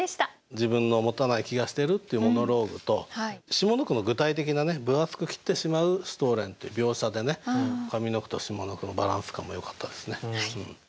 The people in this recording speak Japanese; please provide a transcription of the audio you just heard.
自分の「もたない気がしてる」っていうモノローグと下の句の具体的な「分厚く切ってしまうシュトレン」って描写で上の句と下の句のバランス感もよかったですね。